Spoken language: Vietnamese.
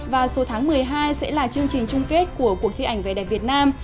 và số tháng một mươi hai sẽ là chương trình chung kết của cuộc thi ảnh vẻ đẹp việt nam